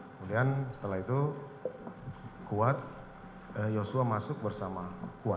kemudian setelah itu kuat yosua masuk bersama kuat